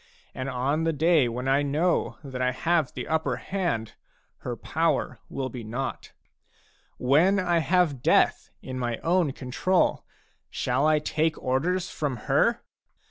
And on the day when I know that I have the upper hand, her power will be naught. When I have death in my own control, shall I take orders from her?